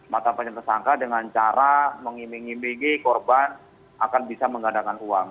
mata pencarian tersangka dengan cara mengiming imingi korban akan bisa menggandakan uang